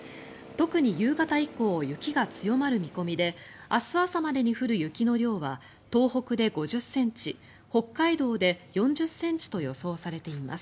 特に夕方以降雪が強まる見込みで明日朝までに降る雪の量は東北で５０ｃｍ北海道で４０ｃｍと予想されています。